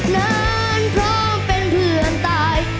นานพร้อมเป็นเพื่อนตาย